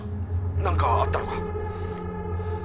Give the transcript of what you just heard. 何かあったのか？